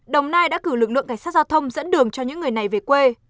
đồng nai đã cử lực lượng cảnh sát giao thông dẫn đường cho những người này về quê